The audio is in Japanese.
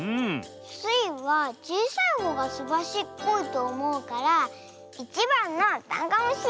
スイはちいさいほうがすばしっこいとおもうから１ばんのダンゴムシ！